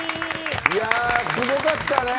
いやすごかったね。